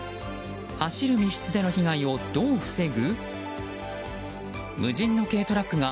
走る密室での被害をどう防ぐ？